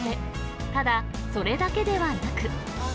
ただ、それだけではなく。